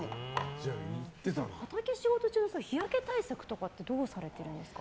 畑仕事中の日焼け対策ってどうされてるんですか？